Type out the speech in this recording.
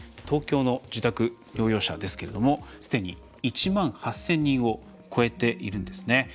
東京の自宅療養者ですけれどもすでに１万８０００人を超えているんですね。